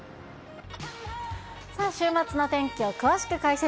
さあ、週末のお天気を詳しく解説。